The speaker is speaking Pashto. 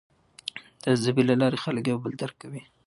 د ژبې له لارې خلک یو بل درک کوي.